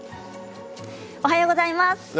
おはようございます。